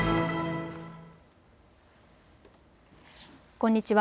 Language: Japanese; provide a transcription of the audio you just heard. こんにちは。